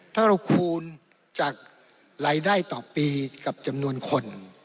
ถ้าเราคูณจากรายได้ต่อปีกับจำนวนคน